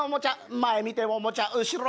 前見てもおもちゃ後ろ